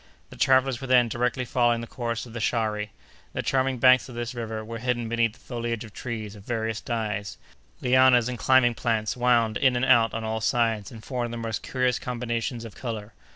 The travellers were then directly following the course of the Shari. The charming banks of this river were hidden beneath the foliage of trees of various dyes; lianas and climbing plants wound in and out on all sides and formed the most curious combinations of color.